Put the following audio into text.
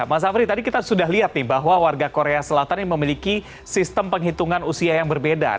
mas afri tadi kita sudah lihat nih bahwa warga korea selatan ini memiliki sistem penghitungan usia yang berbeda